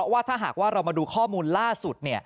ว่าเรามาดูข้อมูลล่าสุด